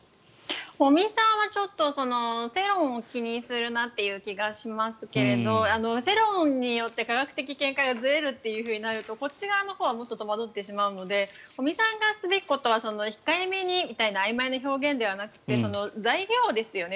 尾身さんはちょっと世論を気にするなという気がしますが世論によって科学的見解がずれるとなると、こっち側はもっと戸惑ってしまうので尾身さんがすべきことは控えめにみたいなあいまいな表現じゃなくて材料ですよね。